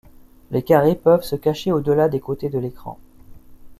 Les carrés peuvent se cacher au–delà des côtés de l’écran.